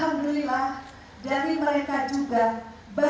dari mereka juga banyak yang meneruskan pendidikan